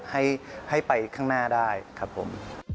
ให้ไปข้างหน้าได้ครับผม